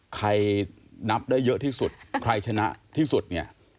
ใครนับได้เยอะที่สุดใครชนะที่สุดเนี่ย